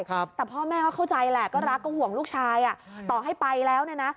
แต่พ่อแม่ก็เข้าใจแหละก็รักก็ห่วงลูกชายอ่ะต่อให้ไปแล้วเนี่ยนะ